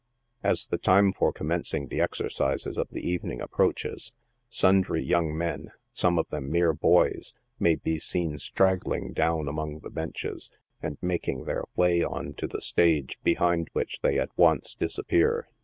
As the time for commencing the exercises of the evening ap proaches, sundry young men some of them mere boys — maybe seen straggling down among the benches and making their way on to the stage, behind which they at once disappear.